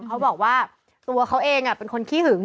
เขาบอกว่าตัวเขาเองเป็นคนขี้หึง